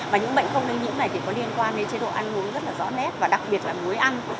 và những bệnh không lây nhiễm này thì có liên quan đến chế độ ăn uống rất là rõ nét và đặc biệt là muối ăn